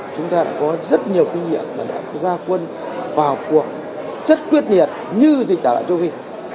chúng ta đã có rất nhiều kinh nghiệm và đã có gia quân vào cuộc rất quyết liệt như dịch tả lạc châu phi